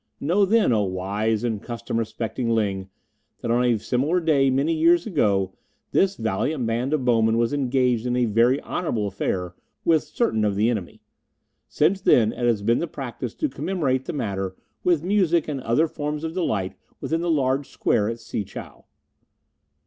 "Know then, O wise and custom respecting Ling, that on a similar day many years ago this valiant band of bowmen was engaged in a very honourable affair with certain of the enemy. Since then it has been the practice to commemorate the matter with music and other forms of delight within the large square at Si chow."